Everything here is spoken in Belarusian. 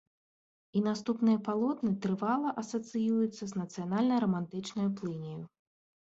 І наступныя палотны трывала асацыююцца з нацыянальна-рамантычнаю плыняю.